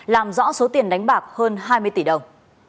làm rõ số tiền đánh bạc hơn hai mươi tỷ đồng